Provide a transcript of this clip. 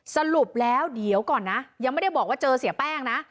สรุปแล้วเดี๋ยวก่อนนะยังไม่ได้บอกว่าเจอเสียแป้งนะ